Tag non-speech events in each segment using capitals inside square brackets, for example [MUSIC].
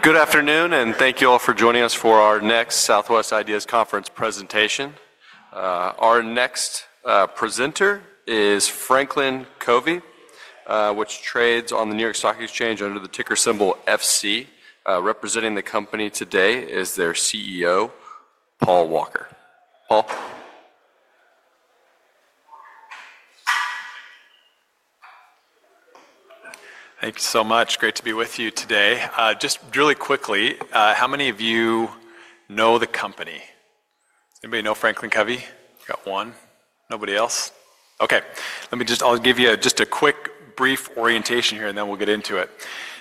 Good afternoon, and thank you all for joining us for our next Southwest Ideas Conference presentation. Our next presenter is FranklinCovey, which trades on the New York Stock Exchange under the ticker symbol FC. Representing the company today is their CEO, Paul Walker. Paul? Thank you so much. Great to be with you today. Just really quickly, how many of you know the company? Anybody know FranklinCovey? You got one? Nobody else? Okay. Let me just, I'll give you just a quick, brief orientation here, and then we'll get into it.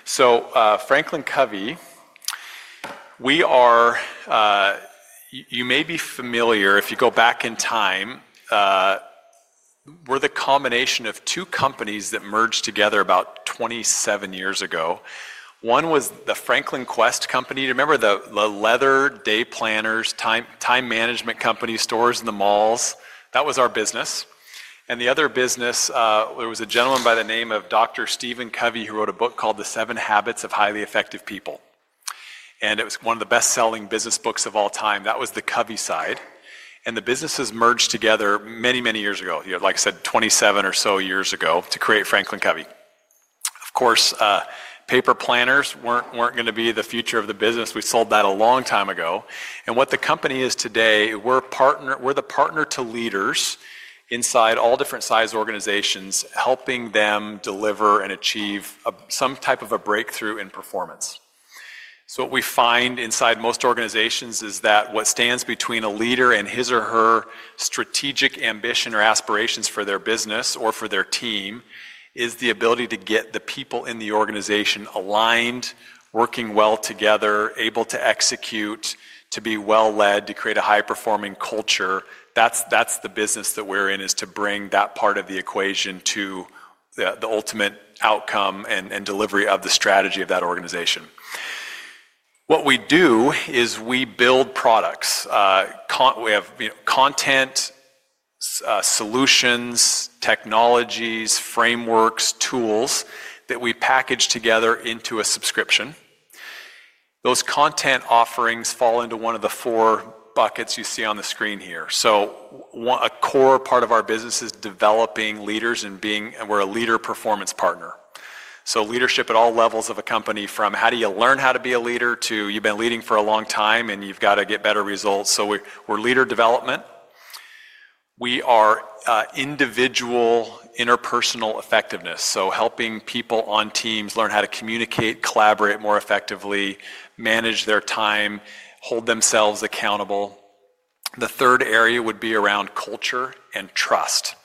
FranklinCovey, we are, you may be familiar if you go back in time, we're the combination of two companies that merged together about 27 years ago. One was the Franklin Quest Company. You remember the leather day planners, time management companies, stores in the malls? That was our business. The other business, there was a gentleman by the name of Dr. Stephen Covey who wrote a book called The 7 Habits of Highly Effective People. It was one of the best-selling business books of all time. That was the Covey side. The businesses merged together many, many years ago, like I said, 27 or so years ago to create FranklinCovey. Of course, paper planners were not going to be the future of the business. We sold that a long time ago. What the company is today, we are the partner to leaders inside all different size organizations, helping them deliver and achieve some type of a breakthrough in performance. What we find inside most organizations is that what stands between a leader and his or her strategic ambition or aspirations for their business or for their team is the ability to get the people in the organization aligned, working well together, able to execute, to be well led, to create a high-performing culture. That is the business that we are in, to bring that part of the equation to the ultimate outcome and delivery of the strategy of that organization. What we do is we build products. We have content, solutions, technologies, frameworks, tools that we package together into a subscription. Those content offerings fall into one of the four buckets you see on the screen here. A core part of our business is developing leaders and being a leader performance partner. Leadership at all levels of a company, from how do you learn how to be a leader to you have been leading for a long time and you have got to get better results. We are leader development. We are individual interpersonal effectiveness. Helping people on teams learn how to communicate, collaborate more effectively, manage their time, hold themselves accountable. The third area would be around culture and trust.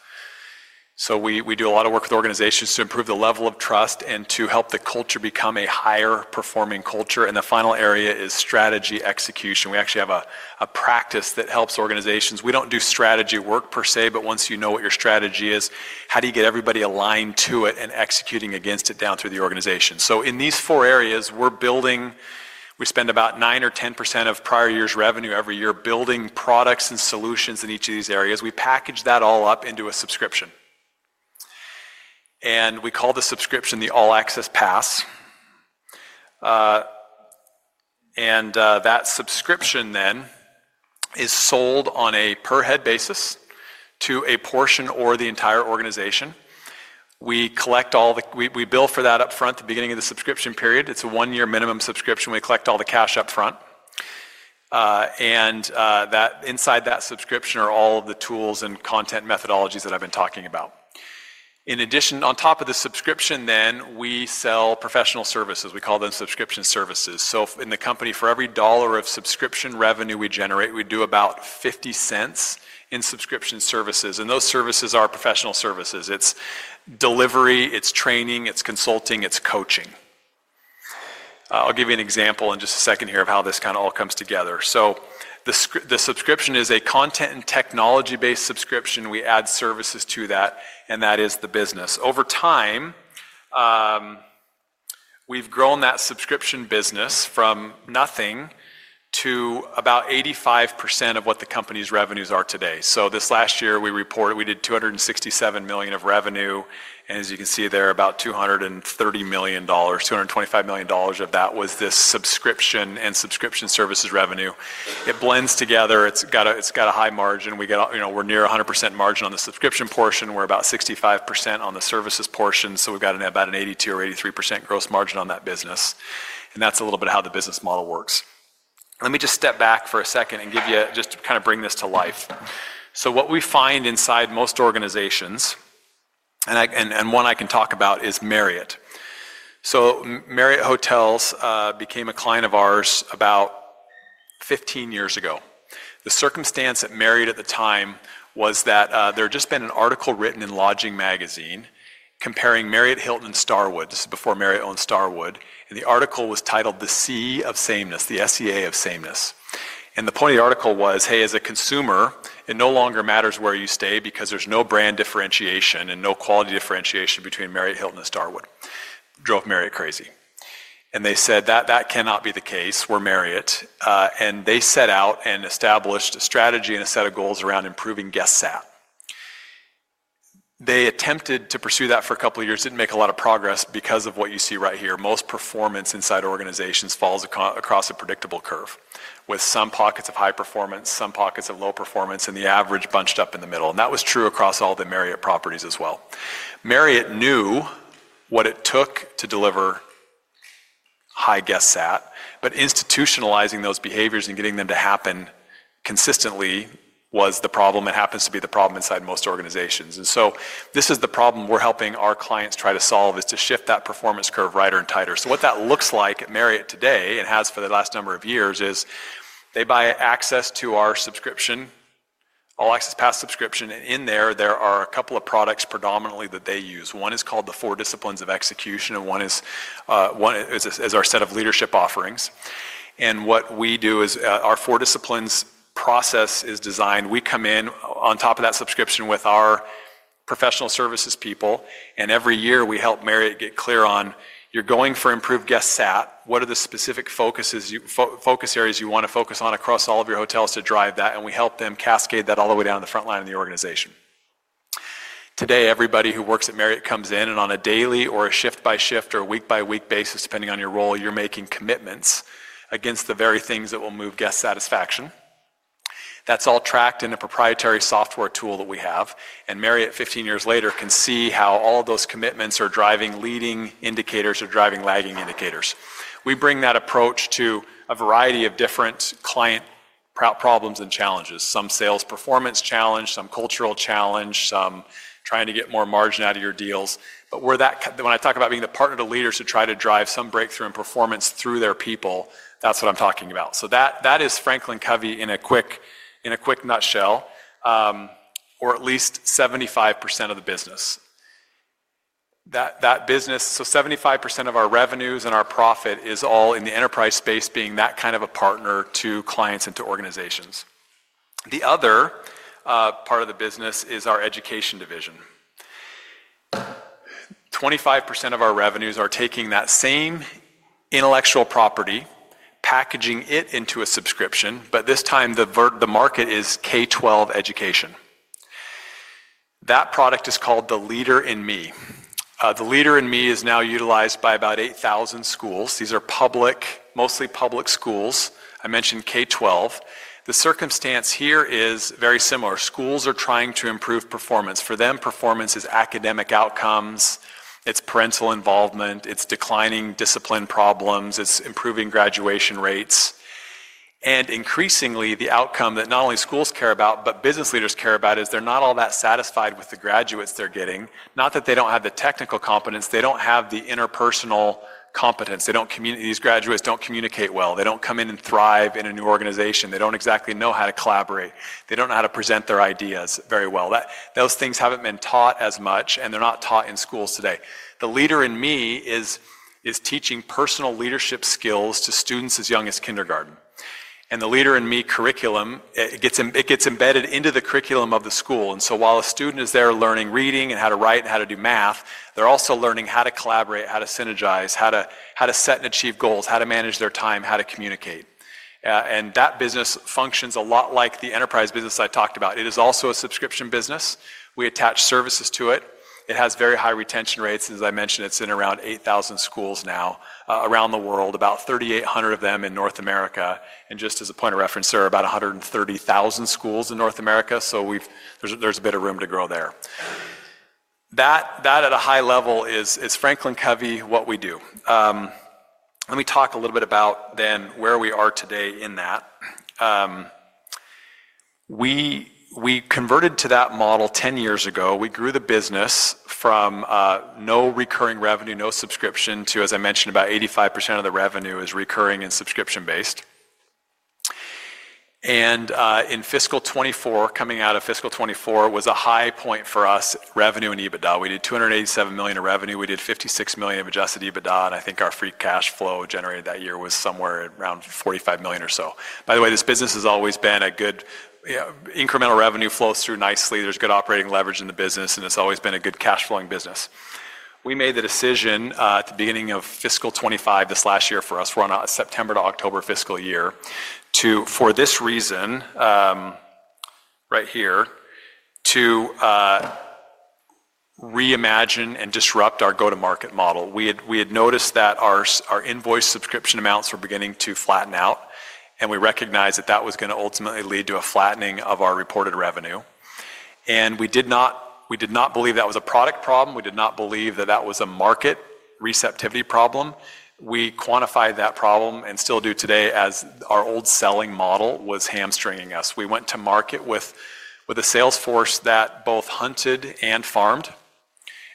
We do a lot of work with organizations to improve the level of trust and to help the culture become a higher-performing culture. The final area is strategy execution. We actually have a practice that helps organizations. We do not do strategy work per se, but once you know what your strategy is, how do you get everybody aligned to it and executing against it down through the organization? In these four areas, we are building, we spend about 9% or 10% of prior year's revenue every year building products and solutions in each of these areas. We package that all up into a subscription. We call the subscription the All Access Pass. That subscription then is sold on a per-head basis to a portion or the entire organization. We collect all the, we bill for that upfront at the beginning of the subscription period. It is a one-year minimum subscription. We collect all the cash upfront. Inside that subscription are all of the tools and content methodologies that I've been talking about. In addition, on top of the subscription, we sell professional services. We call them Subscription Services. In the company, for every dollar of subscription revenue we generate, we do about $0.50 in Subscription Services. Those services are professional services. It's delivery, it's training, it's consulting, it's coaching. I'll give you an example in just a second here of how this kind of all comes together. The subscription is a content and technology-based subscription. We add services to that, and that is the business. Over time, we've grown that subscription business from nothing to about 85% of what the company's revenues are today. This last year, we reported we did $267 million of revenue. As you can see there, about $230 million of that was this subscription and Subscription Services revenue. It blends together. It's got a high margin. We're near 100% margin on the subscription portion. We're about 65% on the services portion. We've got about an 82% or 83% gross margin on that business. That's a little bit how the business model works. Let me just step back for a second and give you just to kind of bring this to life. What we find inside most organizations, and one I can talk about is Marriott. Marriott Hotels became a client of ours about 15 years ago. The circumstance at Marriott at the time was that there had just been an article written in LODGING Magazine comparing Marriott, Hilton, and Starwood. This is before Marriott owned Starwood. The article was titled The Sea of Sameness, the SEA of Sameness. The point of the article was, "Hey, as a consumer, it no longer matters where you stay because there's no brand differentiation and no quality differentiation between Marriott, Hilton, and Starwood." Drove Marriott crazy. They said, "That cannot be the case for Marriott." They set out and established a strategy and a set of goals around improving guest SAT. They attempted to pursue that for a couple of years. Didn't make a lot of progress because of what you see right here. Most performance inside organizations falls across a predictable curve with some pockets of high performance, some pockets of low performance, and the average bunched up in the middle. That was true across all the Marriott properties as well. Marriott knew what it took to deliver high guest SAT, but institutionalizing those behaviors and getting them to happen consistently was the problem. It happens to be the problem inside most organizations. This is the problem we're helping our clients try to solve, is to shift that performance curve right and tighter. What that looks like at Marriott today and has for the last number of years is they buy access to our subscription, All Access Pass subscription. In there, there are a couple of products predominantly that they use. One is called the 4 Disciplines of Execution, and one is our set of leadership offerings. What we do is our 4 Disciplines process is designed. We come in on top of that subscription with our professional services people. Every year, we help Marriott get clear on, "You're going for improved guest SAT. What are the specific focus areas you want to focus on across all of your hotels to drive that? We help them cascade that all the way down to the front line of the organization". Today, everybody who works at Marriott comes in, and on a daily or a shift-by-shift or a week-by-week basis, depending on your role, you're making commitments against the very things that will move guest satisfaction. That's all tracked in a proprietary software tool that we have. Marriott, 15 years later, can see how all of those commitments are driving leading indicators or driving lagging indicators. We bring that approach to a variety of different client problems and challenges. Some sales performance challenge, some cultural challenge, some trying to get more margin out of your deals. When I talk about being the partner to leaders who try to drive some breakthrough in performance through their people, that's what I'm talking about. That is FranklinCovey in a quick nutshell, or at least 75% of the business. 75% of our revenues and our profit is all in the enterprise space, being that kind of a partner to clients and to organizations. The other part of the business is our education division. 25% of our revenues are taking that same intellectual property, packaging it into a subscription, but this time the market is K-12 education. That product is called The Leader in Me. The Leader in Me is now utilized by about 8,000 schools. These are mostly public schools. I mentioned K-12. The circumstance here is very similar. Schools are trying to improve performance. For them, performance is academic outcomes. It's parental involvement. It's declining discipline problems. It's improving graduation rates. Increasingly, the outcome that not only schools care about, but business leaders care about, is they're not all that satisfied with the graduates they're getting. Not that they don't have the technical competence. They don't have the interpersonal competence. These graduates don't communicate well. They don't come in and thrive in a new organization. They don't exactly know how to collaborate. They don't know how to present their ideas very well. Those things haven't been taught as much, and they're not taught in schools today. The Leader in Me is teaching personal leadership skills to students as young as kindergarten. The Leader in Me Curriculum, it gets embedded into the curriculum of the school. While a student is there learning reading and how to write and how to do math, they're also learning how to collaborate, how to synergize, how to set and achieve goals, how to manage their time, how to communicate. That business functions a lot like the enterprise business I talked about. It is also a subscription business. We attach services to it. It has very high retention rates. As I mentioned, it's in around 8,000 schools now around the world, about 3,800 of them in North America. Just as a point of reference, there are about 130,000 schools in North America. There's a bit of room to grow there. That at a high level is FranklinCovey, what we do. Let me talk a little bit about then where we are today in that. We converted to that model 10 years ago. We grew the business from no recurring revenue, no subscription, to, as I mentioned, about 85% of the revenue is recurring and subscription-based. In fiscal 2024, coming out of fiscal 2024, was a high point for us revenue in EBITDA. We did $287 million in revenue. We did $56 million in adjusted EBITDA. I think our free cash flow generated that year was somewhere around $45 million or so. By the way, this business has always been a good incremental revenue flows through nicely. There's good operating leverage in the business, and it's always been a good cash-flowing business. We made the decision at the beginning of fiscal 2025, this last year for us, run out of September to October fiscal year, for this reason right here, to reimagine and disrupt our go-to-market model. We had noticed that our invoice subscription amounts were beginning to flatten out, and we recognized that that was going to ultimately lead to a flattening of our reported revenue. We did not believe that was a product problem. We did not believe that that was a market receptivity problem. We quantified that problem and still do today as our old selling model was hamstringing us. We went to market with a salesforce that both hunted and farmed.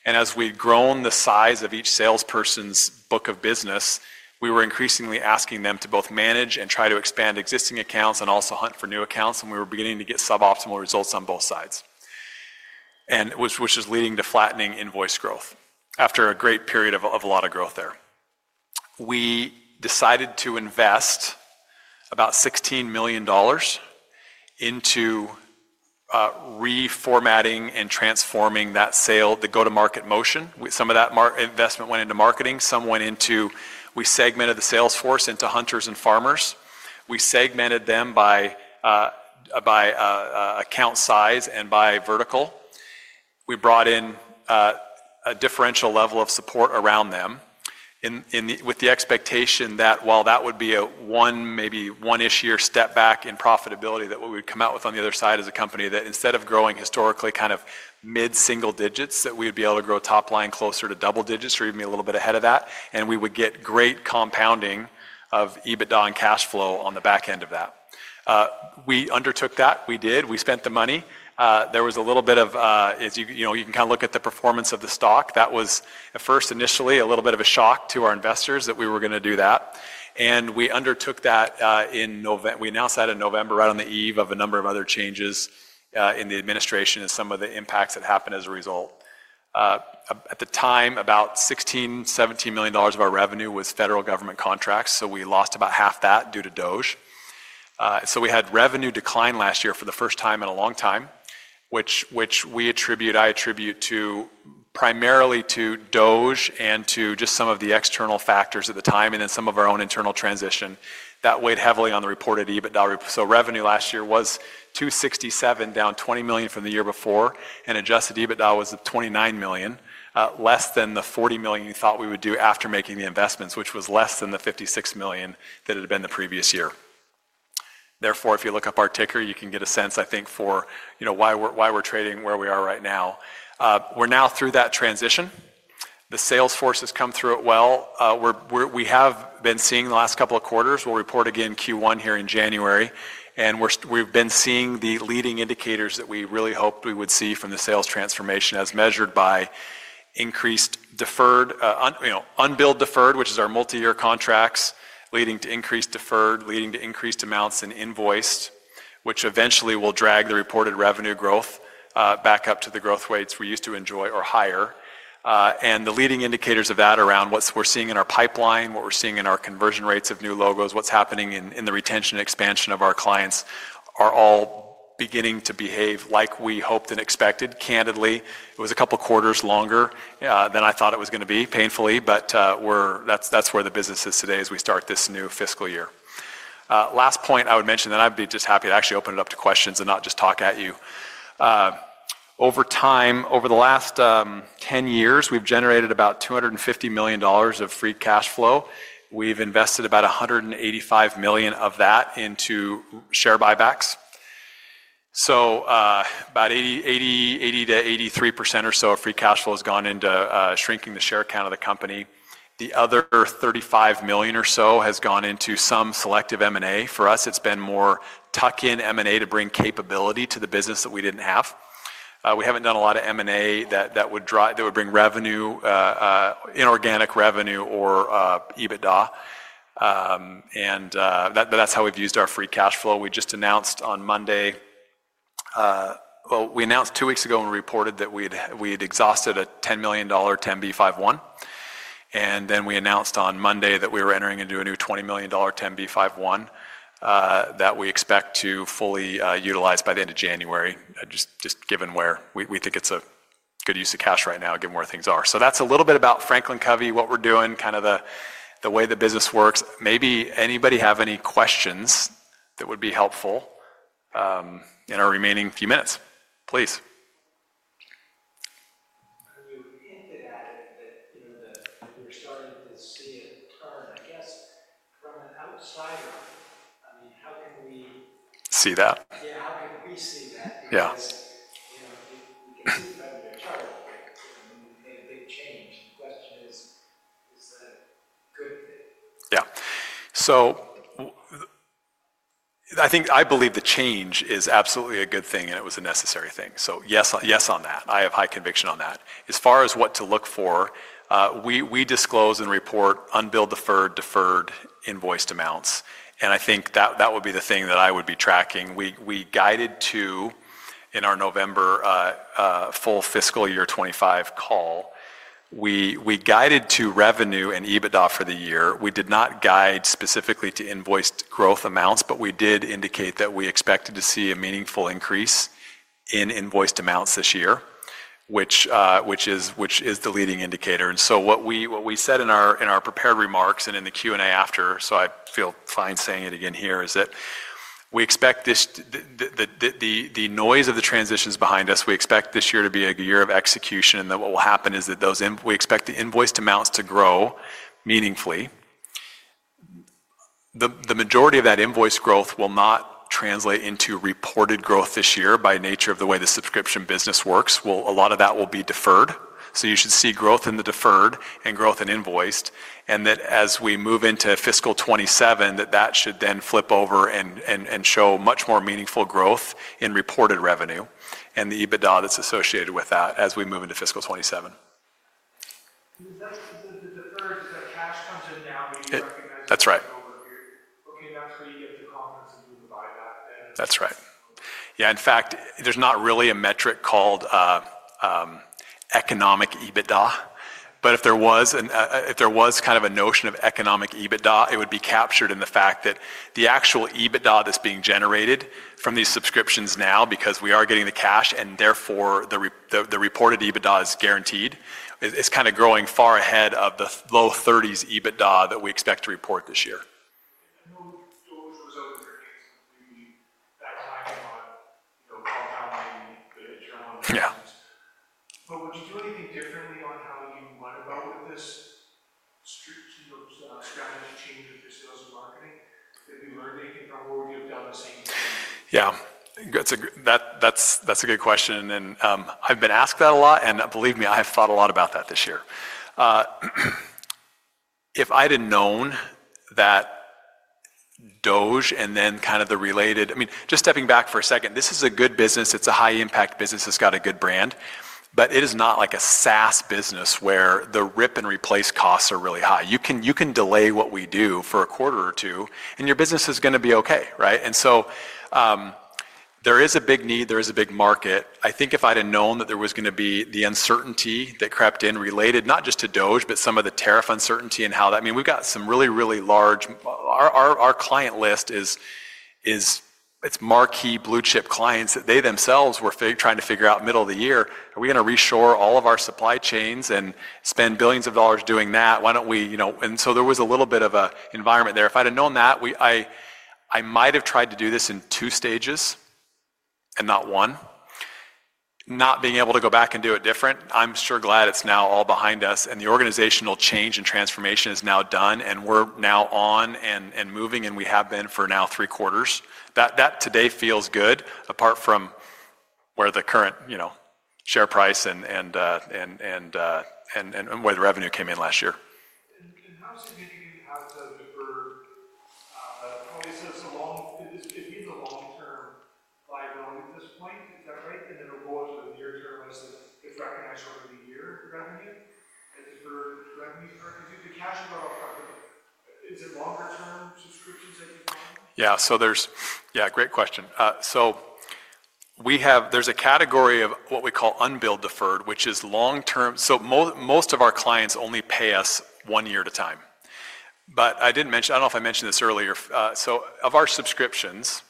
As we had grown the size of each salesperson's book of business, we were increasingly asking them to both manage and try to expand existing accounts and also hunt for new accounts. We were beginning to get suboptimal results on both sides, which was leading to flattening invoice growth after a great period of a lot of growth there. We decided to invest about $16 million into reformatting and transforming that sale, the go-to-market motion. Some of that investment went into marketing. Some went into we segmented the salesforce into hunters and farmers. We segmented them by account size and by vertical. We brought in a differential level of support around them with the expectation that while that would be a maybe one-ish year step back in profitability, that what we would come out with on the other side as a company that instead of growing historically kind of mid-single digits, that we would be able to grow top line closer to double-digits or even be a little bit ahead of that, and we would get great compounding of EBITDA and cash flow on the back end of that. We undertook that. We did. We spent the money. There was a little bit of, you can kind of look at the performance of the stock. That was at first, initially, a little bit of a shock to our investors that we were going to do that. We undertook that in November. We announced that in November right on the eve of a number of other changes in the administration and some of the impacts that happened as a result. At the time, about $16 million, $17 million of our revenue was federal government contracts. We lost about half that due to DOGE. We had revenue decline last year for the first time in a long time, which I attribute primarily to DOGE and to just some of the external factors at the time and then some of our own internal transition. That weighed heavily on the reported EBITDA. Revenue last year was $267 million, down $20 million from the year before. Adjusted EBITDA was $29 million, less than the $40 million we thought we would do after making the investments, which was less than the $56 million that had been the previous year. Therefore, if you look up our ticker, you can get a sense, I think, for why we're trading where we are right now. We're now through that transition. The salesforce has come through it well. We have been seeing the last couple of quarters. We'll report again Q1 here in January. We have been seeing the leading indicators that we really hoped we would see from the sales transformation as measured by unbilled deferred, which is our multi-year contracts, leading to increased deferred, leading to increased amounts in invoiced, which eventually will drag the reported revenue growth back up to the growth rates we used to enjoy or higher. The leading indicators of that around what we are seeing in our pipeline, what we are seeing in our conversion rates of new logos, what is happening in the retention expansion of our clients are all beginning to behave like we hoped and expected. Candidly, it was a couple of quarters longer than I thought it was going to be, painfully. That is where the business is today as we start this new fiscal year. Last point I would mention, then I'd be just happy to actually open it up to questions and not just talk at you. Over time, over the last 10 years, we've generated about $250 million of free cash flow. We've invested about $185 million of that into share buybacks. So about 80%-83% or so of free cash flow has gone into shrinking the share count of the company. The other $35 million or so has gone into some selective M&A. For us, it's been more tuck-in M&A to bring capability to the business that we didn't have. We haven't done a lot of M&A that would bring inorganic revenue or EBITDA. That's how we've used our free cash flow. We just announced on Monday, actually, we announced two weeks ago when we reported that we'd exhausted a $10 million 10b5-1. Then we announced on Monday that we were entering into a new $20 million 10b5-1 that we expect to fully utilize by the end of January, just given where we think it's a good use of cash right now, given where things are. That's a little bit about Franklin Covey, what we're doing, kind of the way the business works. Maybe anybody have any questions that would be helpful in our remaining few minutes? Please. See that. [AUDIO DISTORTION] big change. The question is, is that a good thing? Yeah. I believe the change is absolutely a good thing, and it was a necessary thing. Yes on that. I have high conviction on that. As far as what to look for, we disclose and report unbilled deferred, deferred invoiced amounts. I think that would be the thing that I would be tracking. In our November full fiscal year 2025 call, we guided to revenue and EBITDA for the year. We did not guide specifically to invoiced growth amounts, but we did indicate that we expected to see a meaningful increase in invoiced amounts this year, which is the leading indicator. What we said in our prepared remarks and in the Q&A after, so I feel fine saying it again here, is that we expect the noise of the transitions behind us. We expect this year to be a year of execution and that what will happen is that we expect the invoiced amounts to grow meaningfully. The majority of that invoice growth will not translate into reported growth this year by nature of the way the subscription business works. A lot of that will be deferred. You should see growth in the deferred and growth in invoiced. As we move into fiscal 2027, that should then flip over and show much more meaningful growth in reported revenue and the EBITDA that's associated with that as we move into fiscal 2027. [AUDIO DISTORTION] That's right. That's right. Yeah. In fact, there's not really a metric called economic EBITDA. If there was kind of a notion of economic EBITDA, it would be captured in the fact that the actual EBITDA that's being generated from these subscriptions now, because we are getting the cash and therefore the reported EBITDA is guaranteed, is kind of growing far ahead of the low 30s EBITDA that we expect to report this year. Would you do anything differently on how you run about with this strategy change that this does with marketing? Yeah. That's a good question. I've been asked that a lot. Believe me, I have thought a lot about that this year. If I'd have known that DOGE and then kind of the related—I mean, just stepping back for a second, this is a good business. It's a high-impact business. It's got a good brand. It is not like a SaaS business where the rip and replace costs are really high. You can delay what we do for a quarter or two, and your business is going to be okay, right? There is a big need. There is a big market. I think if I'd have known that there was going to be the uncertainty that crept in related not just to DOGE, but some of the tariff uncertainty and how that, I mean, we've got some really, really large, our client list is marquee blue-chip clients that they themselves were trying to figure out middle of the year. Are we going to reshore all of our supply chains and spend billions of dollars doing that? Why don't we? There was a little bit of an environment there. If I'd have known that, I might have tried to do this in two stages and not one. Not being able to go back and do it different, I'm sure glad it's now all behind us. The organizational change and transformation is now done. We're now on and moving, and we have been for now three quarters. That today feels good, apart from where the current share price and where the revenue came in last year. How significant has the deferred? Probably since a long it needs a long-term buyback at this point, is that right? Then it'll go into the near-term as it's recognized over the year revenue? Is the cash flow, is it longer-term subscriptions that you've gone with? Yeah. Yeah. Great question. There is a category of what we call unbilled deferred, which is long-term. Most of our clients only pay us one year at a time. I did not mention, I do not know if I mentioned this earlier. Of our subscriptions,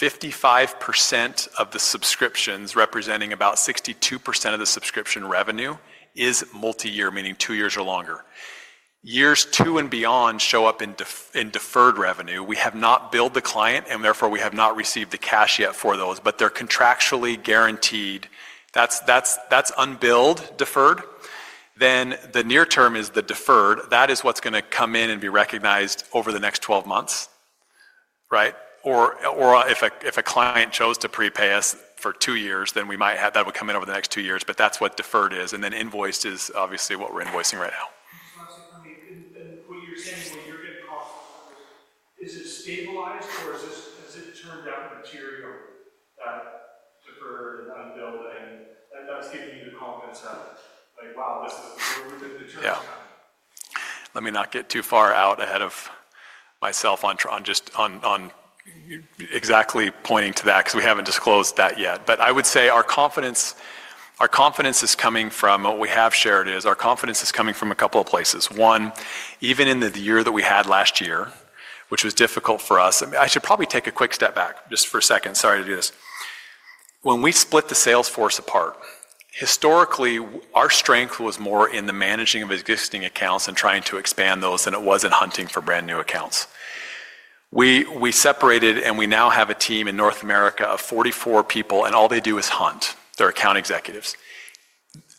55% of the subscriptions representing about 62% of the subscription revenue is multi-year, meaning two years or longer. Years two and beyond show up in deferred revenue. We have not billed the client, and therefore we have not received the cash yet for those. They are contractually guaranteed. That is unbilled deferred. The near-term is the deferred. That is what is going to come in and be recognized over the next 12 months, right? If a client chose to prepay us for two years, then that would come in over the next two years. That is what deferred is. Invoiced is obviously what we're invoicing right now. I mean, what you're saying, what you're getting cost is it stabilized, or has it turned out material deferred and unbilled? That's giving you the confidence that, like, wow, this is where we're getting the returns coming. Yeah. Let me not get too far out ahead of myself on just exactly pointing to that because we haven't disclosed that yet. I would say our confidence is coming from what we have shared is our confidence is coming from a couple of places. One, even in the year that we had last year, which was difficult for us. I should probably take a quick step back just for a second. Sorry to do this. When we split the salesforce apart, historically, our strength was more in the managing of existing accounts and trying to expand those than it was in hunting for brand new accounts. We separated, and we now have a team in North America of 44 people, and all they do is hunt. They're account executives.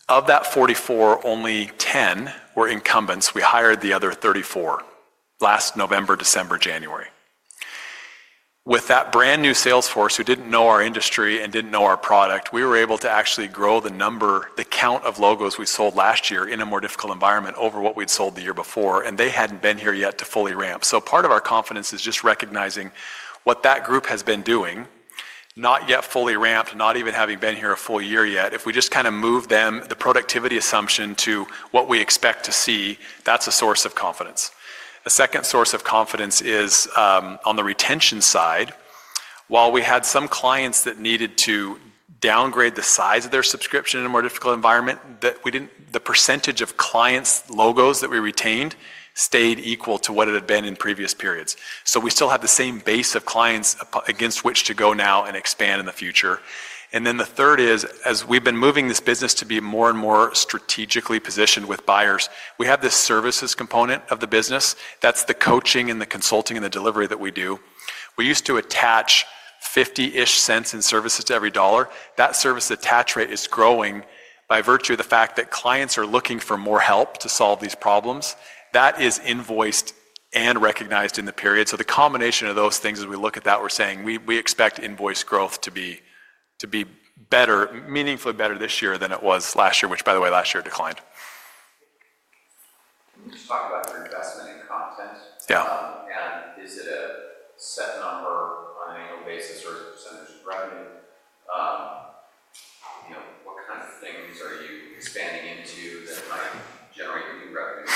Of that 44, only 10 were incumbents. We hired the other 34 last November, December, January. With that brand new salesforce who did not know our industry and did not know our product, we were able to actually grow the count of logos we sold last year in a more difficult environment over what we had sold the year before. They had not been here yet to fully ramp. Part of our confidence is just recognizing what that group has been doing, not yet fully ramped, not even having been here a full year yet. If we just kind of move them, the productivity assumption to what we expect to see, that is a source of confidence. A second source of confidence is on the retention side. While we had some clients that needed to downgrade the size of their subscription in a more difficult environment, the percentage of clients' logos that we retained stayed equal to what it had been in previous periods. We still have the same base of clients against which to go now and expand in the future. The third is, as we've been moving this business to be more and more strategically positioned with buyers, we have this services component of the business. That's the coaching and the consulting and the delivery that we do. We used to attach about $0.50-ish in services to every dollar. That service attach rate is growing by virtue of the fact that clients are looking for more help to solve these problems. That is invoiced and recognized in the period. The combination of those things, as we look at that, we're saying we expect invoice growth to be meaningfully better this year than it was last year, which, by the way, last year declined. Yeah. Is it a set number on an annual basis, or is it percentage of revenue? What kind of things are you expanding into that might generate new revenue?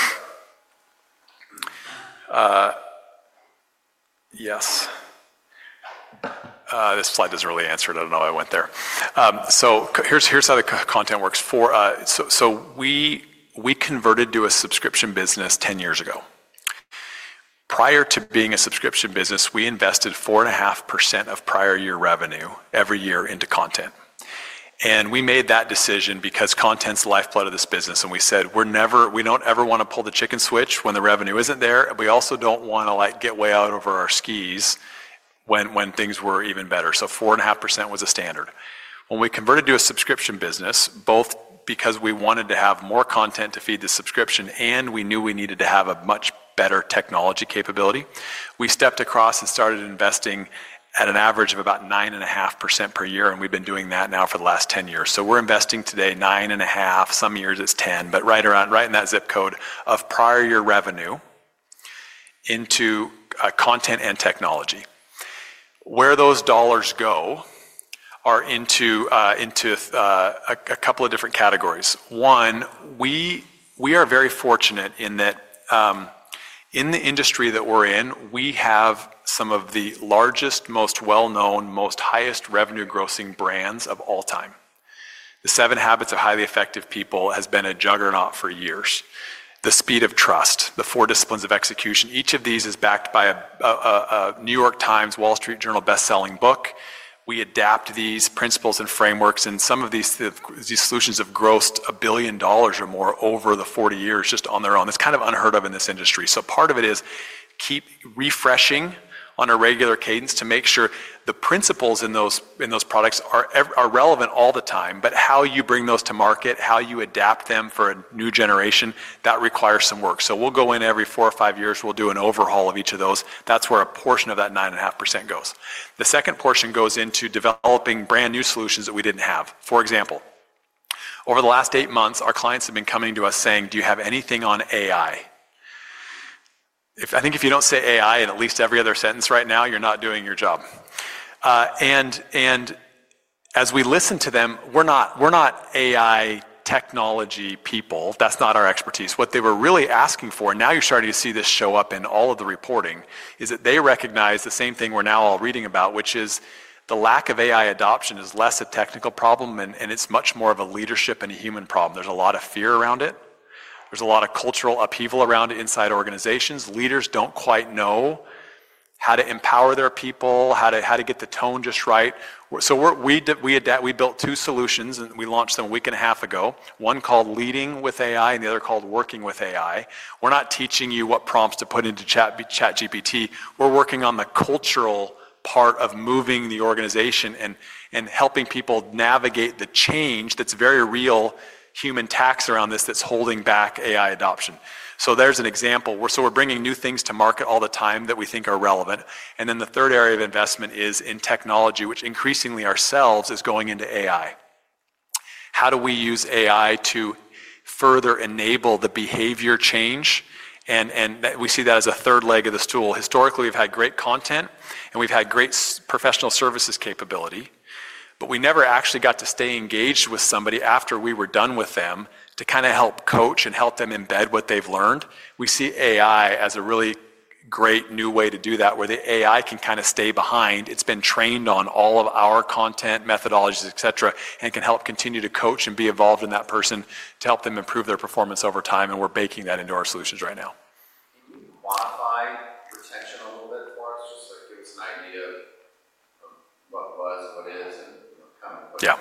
Yes. This slide doesn't really answer it. I don't know why I went there. Here's how the content works. We converted to a subscription business 10 years ago. Prior to being a subscription business, we invested 4.5% of prior year revenue every year into content. We made that decision because content's the lifeblood of this business. We said, "We don't ever want to pull the chicken switch when the revenue isn't there. We also don't want to get way out over our skis when things were even better." 4.5% was a standard. When we converted to a subscription business, both because we wanted to have more content to feed the subscription and we knew we needed to have a much better technology capability, we stepped across and started investing at an average of about 9.5% per year. We have been doing that now for the last 10 years. We are investing today 9.5%. Some years it is 10%, but right in that zip code of prior year revenue into content and technology. Where those dollars go are into a couple of different categories. One, we are very fortunate in that in the industry that we are in, we have some of the largest, most well-known, most highest revenue grossing brands of all time. The 7 Habits of Highly Effective People has been a juggernaut for years. The Speed of Trust, The 4 Disciplines of Execution. Each of these is backed by a New York Times, Wall Street Journal bestselling book. We adapt these principles and frameworks. Some of these solutions have grossed a $1 billion dollars or more over the 40 years just on their own. It is kind of unheard of in this industry. Part of it is keep refreshing on a regular cadence to make sure the principles in those products are relevant all the time. How you bring those to market, how you adapt them for a new generation, that requires some work. We'll go in every four or five years. We'll do an overhaul of each of those. That's where a portion of that 9.5% goes. The second portion goes into developing brand new solutions that we didn't have. For example, over the last eight months, our clients have been coming to us saying, "Do you have anything on AI?" I think if you don't say AI in at least every other sentence right now, you're not doing your job. As we listen to them, we're not AI-technology people. That's not our expertise. What they were really asking for, and now you're starting to see this show up in all of the reporting, is that they recognize the same thing we're now all reading about, which is the lack of AI adoption is less a technical problem, and it's much more of a leadership and a human problem. There's a lot of fear around it. There's a lot of cultural upheaval around it inside organizations. Leaders don't quite know how to empower their people, how to get the tone just right. We built two solutions, and we launched them a week and a half ago. One called Leading with AI and the other called Working with AI. We're not teaching you what prompts to put into ChatGPT. We're working on the cultural part of moving the organization and helping people navigate the change that's very real human tax around this that's holding back AI adoption. There's an example. We're bringing new things to market all the time that we think are relevant. The third area of investment is in technology, which increasingly ourselves is going into AI. How do we use AI to further enable the behavior change? We see that as a third leg of the stool. Historically, we've had great content, and we've had great professional services capability. We never actually got to stay engaged with somebody after we were done with them to kind of help coach and help them embed what they've learned. We see AI as a really great new way to do that where the AI can kind of stay behind. It's been trained on all of our content, methodologies, etc., and can help continue to coach and be involved in that person to help them improve their performance over time. We're baking that into our solutions right now. Can you modify retention a little bit for us? Just give us an idea of. [AUDIO DISTORTION] Yeah.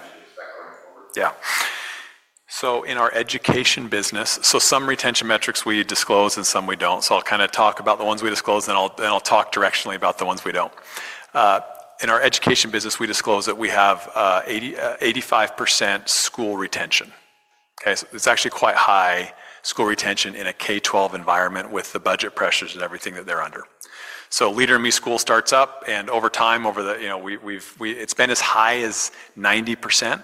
In our education business, some retention metrics we disclose and some we do not. I will kind of talk about the ones we disclose, and I will talk directionally about the ones we do not. In our education business, we disclose that we have 85% school retention. Okay? It is actually quite high school retention in a K-12 environment with the budget pressures and everything that they are under. Leader in Me school starts up. Over time, it has been as high as 90%, and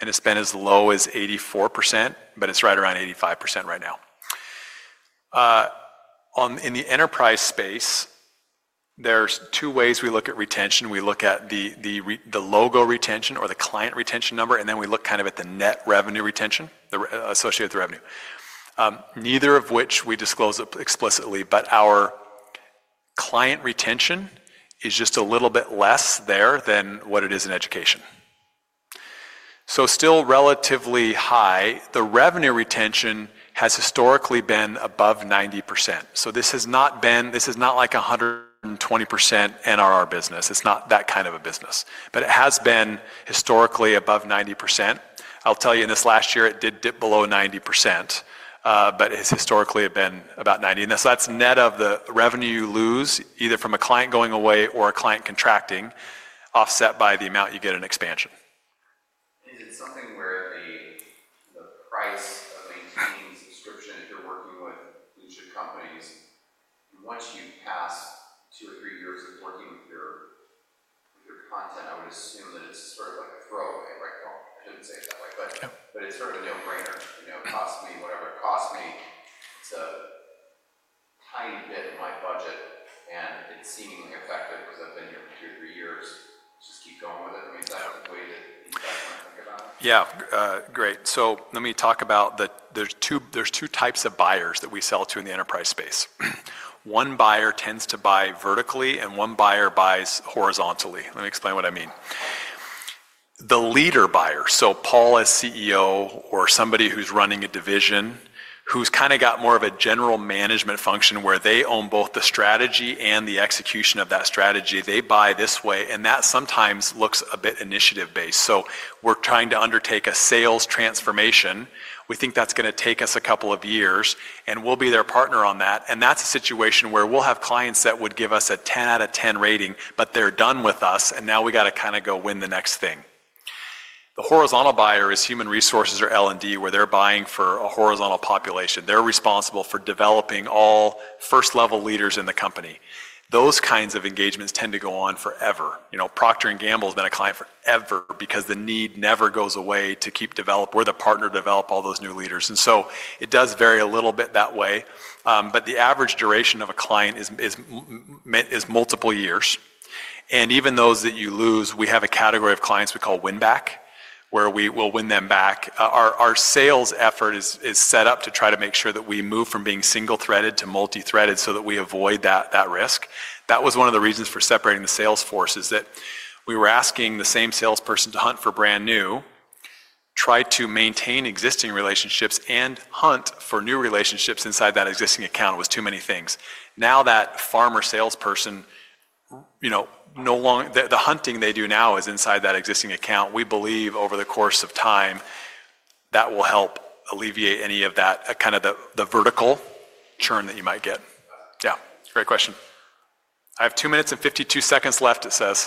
it has been as low as 84%, but it is right around 85% right now. In the enterprise space, there are two ways we look at retention. We look at the logo retention or the client retention number, and then we look kind of at the net revenue retention associated with revenue, neither of which we disclose explicitly. Our client retention is just a little bit less there than what it is in education. Still relatively high. The revenue retention has historically been above 90%. This is not like 120% NRR business. It's not that kind of a business. It has been historically above 90%. I'll tell you, in this last year, it did dip below 90%, but historically it had been about 90%. That's net of the revenue you lose either from a client going away or a client contracting, offset by the amount you get in expansion. Maintaining subscription if you're working with leadership companies, once you've passed two or three years of working with your content, I would assume that it's sort of like a throwaway, right? I shouldn't say it that way. It’s sort of a no-brainer. It costs me whatever it costs me. It's a tiny bit of my budget, and it's seemingly effective because I've been here for two or three years. Just keep going with it. I mean. Yeah. Great. Let me talk about there's two types of buyers that we sell to in the enterprise space. One buyer tends to buy vertically, and one buyer buys horizontally. Let me explain what I mean. The leader buyer, so Paul as CEO or somebody who's running a division who's kind of got more of a general management function where they own both the strategy and the execution of that strategy, they buy this way. That sometimes looks a bit initiative-based. We're trying to undertake a sales transformation. We think that's going to take us a couple of years, and we'll be their partner on that. That's a situation where we'll have clients that would give us a 10/10 rating, but they're done with us, and now we got to kind of go win the next thing. The horizontal buyer is human resources or L&D, where they're buying for a horizontal population. They're responsible for developing all first-level leaders in the company. Those kinds of engagements tend to go on forever. Procter & Gamble has been a client forever because the need never goes away to keep developing or the partner to develop all those new leaders. It does vary a little bit that way. The average duration of a client is multiple years. Even those that you lose, we have a category of clients we call win-back, where we will win them back. Our sales effort is set up to try to make sure that we move from being single-threaded to multi-threaded so that we avoid that risk. That was one of the reasons for separating the salesforce is that we were asking the same salesperson to hunt for brand new, try to maintain existing relationships, and hunt for new relationships inside that existing account. It was too many things. Now that farmer salesperson, the hunting they do now is inside that existing account. We believe over the course of time that will help alleviate any of that kind of the vertical churn that you might get. Yeah. Great question. I have two minutes and 52 seconds left. It says.